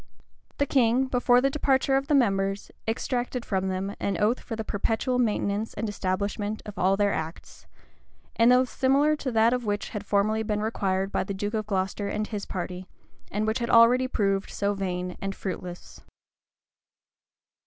The king, before the departure of the members, exacted from them an oath for the perpetual maintenance and establishment of all their acts; an oath similar to that which had formerly been required by the duke of Glocester and his party, and which had already proved so vain and fruitless.